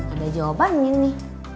ada jawaban ini